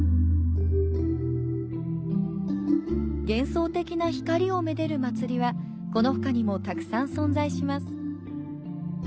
幻想的な光をめでる祭りはこのほかにもたくさん存在します。